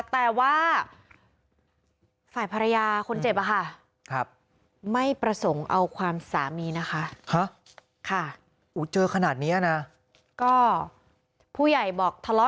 แต่ว่าฝ่ายภรรยาคนเจ็บอะค่ะ